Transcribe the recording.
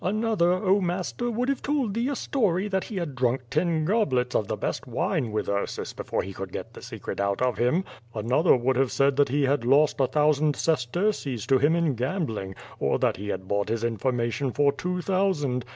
Another, oh, master, would have told thee a story that he had drunk ten goblets of the best wine with Ursus before he could get the secret out of him; another would have said that he had lost a thousand sesterces to him in gambling, or that he had bought his information for two thousand.